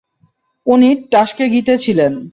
উনি টাস্কেগীতে ছিলেন।